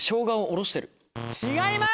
違います！